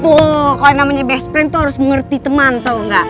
tuh kalo namanya bestfriend tuh harus mengerti teman tau gak